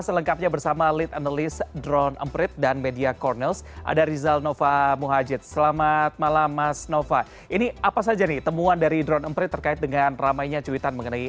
sebagian besar bernyata sinis pada act